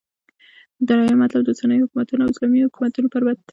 دريم مطلب - داوسنيو حكومتونو او اسلامې حكومت پرتله